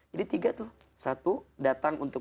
jadi tiga tuh satu datang untuk